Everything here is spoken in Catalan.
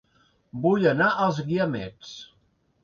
Vull anar a Els Guiamets